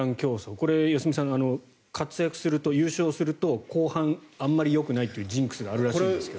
これ、良純さん活躍すると、優勝すると、後半あまりよくないというジンクスがあるらしいですけど。